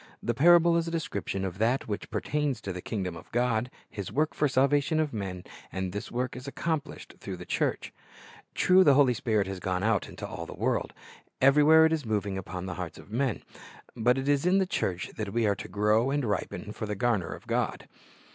The parable is a description of that which pertains to the kingdom of God, His work for the salvation of men, and this work is accomplished through the church. True, the Holy Spirit has gone out into all the world; every where it is moving upon the hearts of men; but it is in the church that we are to grow and ripen for the garner of God.